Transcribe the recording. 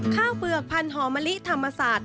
ข้าวเปลือกพันธุ์หอมะลิธรรมศาสตร์